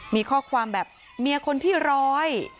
มีข้อความแบบเมียคนที่ร้อย